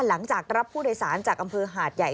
หลังจากรับผู้โดยสารจากอำเภอหาดใหญ่